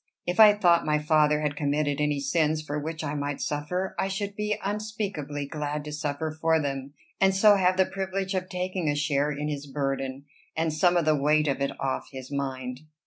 If I thought my father had committed any sins for which I might suffer, I should be unspeakably glad to suffer for them, and so have the privilege of taking a share in his burden, and some of the weight of it off his mind.